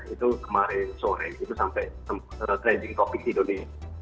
itu kemarin sore itu sampai trading topic di dunia